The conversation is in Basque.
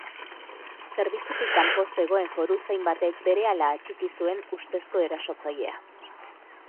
Zerbitzutik kanpo zegoen foruzain batek berehala atxiki zuen ustezko erasotzailea.